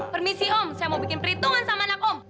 permisi om saya mau bikin perhitungan sama anak om